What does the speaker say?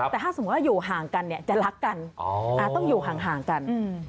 แต่ถ้าอยู่ห่างกันจะรักกันต้องอยู่ห่างกัน